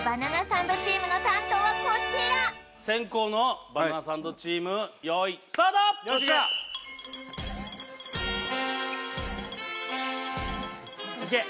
サンドチームの担当はこちら先攻のバナナサンドチーム用意スタートいけ